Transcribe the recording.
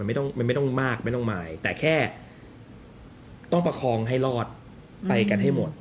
ไม่ต้องไม่ต้องมากไม่ต้องมายแต่แค่ต้องประคองให้รอดไปกันให้หมด